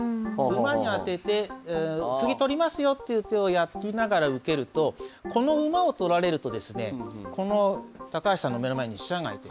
馬に当てて次取りますよという手をやりながら受けるとこの馬を取られるとですね高橋さんの目の前に飛車がいてここに金がいますね。